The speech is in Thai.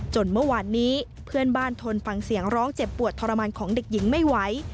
เมื่อวานนี้เพื่อนบ้านทนฟังเสียงร้องเจ็บปวดทรมานของเด็กหญิงไม่ไหว